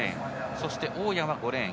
そして大矢は５レーン。